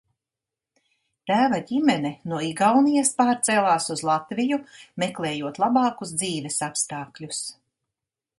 Tēva ģimene no Igaunijas pārcēlās uz Latviju, meklējot labākus dzīves apstākļus.